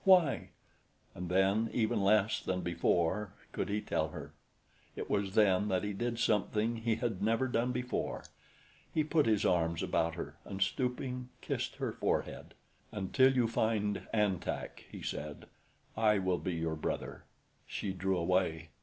"Why?" And then, even less than before, could he tell her. It was then that he did something he had never done before he put his arms about her and stooping, kissed her forehead. "Until you find An Tak," he said, "I will be your brother." She drew away.